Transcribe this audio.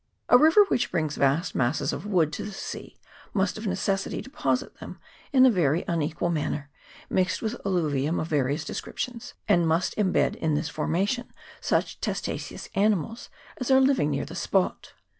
A river which brings vast masses of wood to the sea must of necessity deposit them in a very unequal manner, mixed with allu vium of various descriptions, and must imbed in this formation such testaceous animals as are living near the spot.